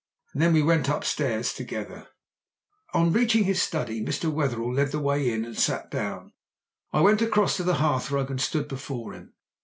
And then we went upstairs together. Reaching his study, Mr. Wetherell led the way in and sat down. I went across to the hearthrug and stood before him.